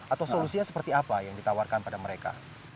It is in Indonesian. atau solusinya seperti apa yang ditawarkan pada mereka